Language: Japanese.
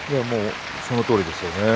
そのとおりですね。